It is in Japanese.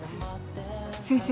先生